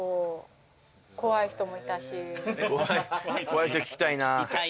怖い人聞きたいな。